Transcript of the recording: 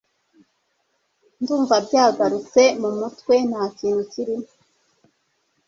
Ndumva byagurutse mumutwe ntakintu kirimo